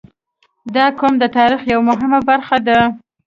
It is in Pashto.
• دا قوم د تاریخ یوه مهمه برخه ده.